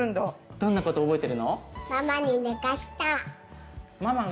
どんなこと覚えてるの？